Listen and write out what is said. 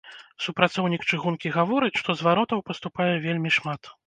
Супрацоўнік чыгункі гаворыць, што зваротаў паступае вельмі шмат.